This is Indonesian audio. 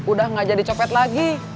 udah gak jadi copet lagi